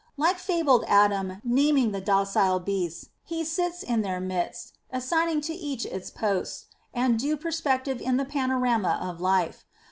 Like fabled Adam naming the docile beasts, he sits in their midst, assigning to each its post and due perspective in the panorama of life.